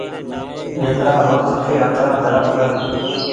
جترآ هو سڪي آترا ڌرم ڪر